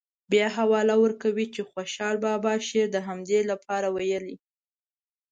بیا حواله ورکوي چې خوشحال بابا شعر د همدې لپاره ویلی.